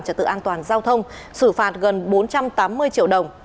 trật tự an toàn giao thông xử phạt gần bốn trăm tám mươi triệu đồng